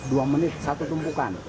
dua menit satu tumpukan